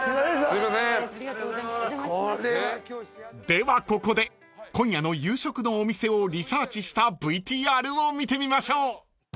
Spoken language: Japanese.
ではここで今夜の夕食のお店をリサーチしたＶＴＲを見てみましょう］